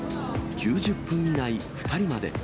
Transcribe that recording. ９０分以内、２人まで。